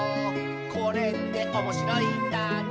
「これっておもしろいんだね」